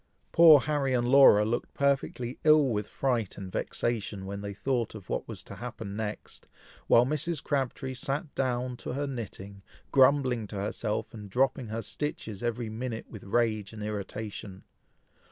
Poor Harry and Laura looked perfectly ill with fright and vexation when they thought of what was to happen next, while Mrs. Crabtree sat down to her knitting, grumbling to herself, and dropping her stitches every minute with rage and irritation.